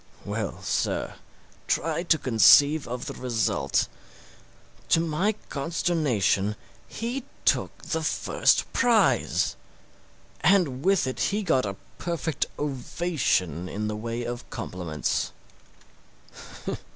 Well, sir, try to conceive of the result: to my consternation, he took the first prize! And with it he got a perfect ovation in the way of compliments.